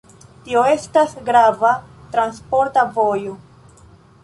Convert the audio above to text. Tio estas grava transporta vojo.